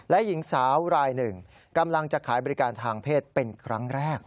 และหญิงสาวรายหนึ่งกำลังจะขายบริการทางเพศเป็นครั้งแรก